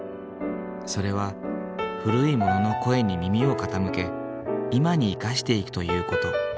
それは古いものの声に耳を傾け今に生かしていくという事。